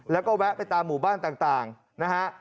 แล้วก็แวะไปตามหมู่บ้านต่างนะฮะ